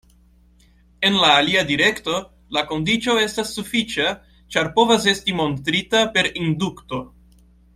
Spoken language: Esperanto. En la alia direkto, la kondiĉo estas sufiĉa, ĉar povas esti montrita per indukto.